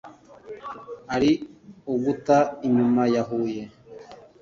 ari uguta inyuma ya huye